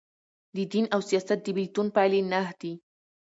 د دین او سیاست د بیلتون پایلي نهه دي.